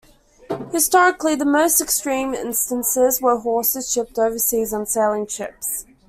Historically, the most extreme instances were of horses shipped overseas on sailing ships.